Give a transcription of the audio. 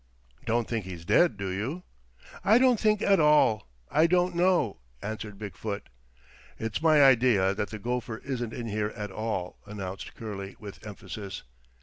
"Don't think he's dead, do you?" "I don't think at all. I don't know," answered Big foot. "It's my idea that the gopher isn't in here at all," announced Curley, with emphasis.